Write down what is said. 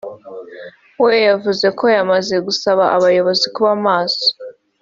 we yavuze ko yamaze gusaba abayobozi kuba maso